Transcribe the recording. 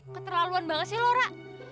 keterlaluan banget sih lo ra